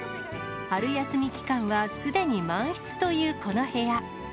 春休み期間はすでに満室というこの部屋。